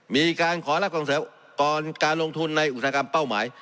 มีการขอรับส่งอุปกรณ์การลงทุนในอุตสาหกรรมเป้าหมาย